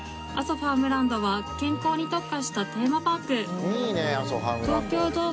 ファームランドは健康に特化したテーマパーク東京ドーム